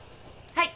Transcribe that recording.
はい。